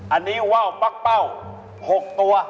อันนี้ว่าวปั๊กเป้า๖ตัว